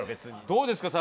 どうですか？